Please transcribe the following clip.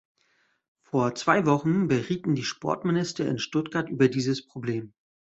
Vor zwei Wochen berieten die Sportminister in Stuttgart über dieses Problem.